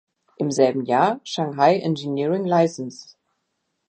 Im selben Jahr: Shanghai Engineering License.